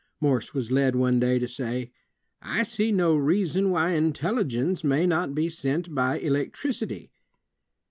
Morse was led one day to say: "I see no reason why intelligence may not be sent by electricity."